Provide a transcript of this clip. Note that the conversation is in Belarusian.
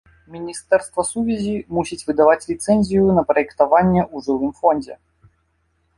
Міністэрства сувязі мусіць выдаваць ліцэнзію на праектаванне ў жылым фондзе.